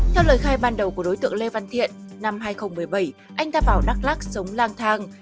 theo lời khai ban đầu của đối tượng lê văn thiện năm hai nghìn một mươi bảy anh ta vào đắk lắc sống lang thang